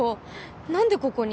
何でここに？